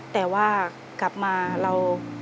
แต่ว่ากลับมาเรา